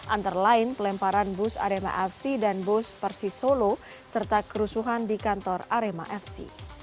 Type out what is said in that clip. antara lain pelemparan bus arema fc dan bus persis solo serta kerusuhan di kantor arema fc